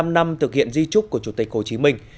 bảy mươi năm năm thực hiện di trúc của chủ tịch hồ chí minh